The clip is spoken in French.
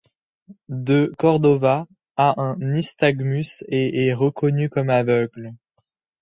De Cordova a un nystagmus et est reconnue comme aveugle.